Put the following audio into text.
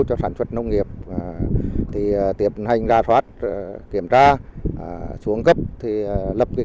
các ngành chức năng các địa phương đã triển khai nhiều biện pháp nhằm kịp thời khắc phục